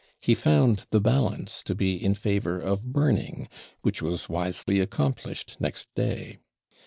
He found the balance to be in favour of burning, which was wisely accomplished next day.